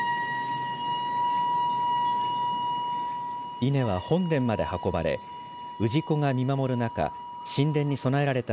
稲は本殿まで運ばれ氏子が見守る中神殿に供えられた